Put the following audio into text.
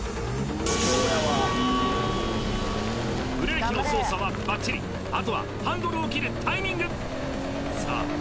ブレーキの操作はバッチリあとはハンドルを切るタイミングさあ